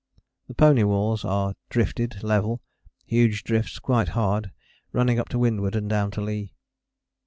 The pony walls are drifted level huge drifts, quite hard, running up to windward and down to lee.